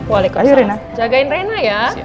waalaikumsalam jagain rena ya